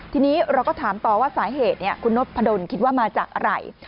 ทีนี้เราก็ถามต่อว่าสาเหตุคุณนพดลคิดว่ามาจากอะไร